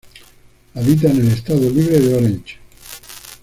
Habita en el Estado Libre de Orange.